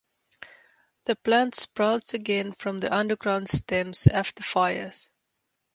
The plant sprouts again from the underground stems after fires.